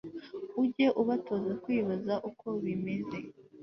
Ujye ubatoza kwibaza uko bimeze